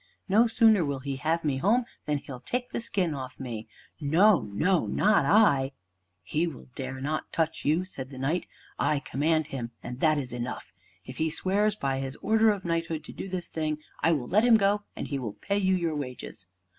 No sooner will he have me home than he'll take the skin off me. No, no, not I!" "He will not dare to touch you," said the Knight. "I command him, and that is enough. If he swears by his order of knighthood to do this thing, I will let him go, and he will pay you your wages."